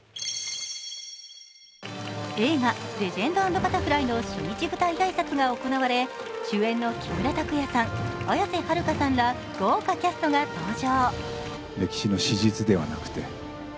映画「レジェンド＆バタフライ」の初日舞台挨拶が行われ主演の木村拓哉さん綾瀬はるかさんら豪華キャストが登場。